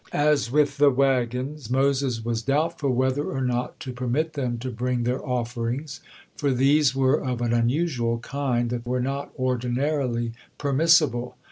As with the wagons, Moses was doubtful whether or not to permit them to bring their offerings, for theses were of an unusual kind that were not ordinarily permissible.